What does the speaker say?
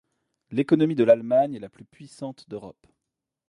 L'économie de l'Allemagne est la plus puissante d'Europe.